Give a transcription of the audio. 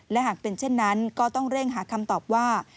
และหากเป็นเช่นนั้นก็ต้องเร่งหาคำตอบว่า